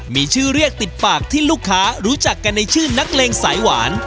มีชื่อเรียกติดปากที่ลูกค้ารู้จักกันในชื่อนักเลงสายหวาน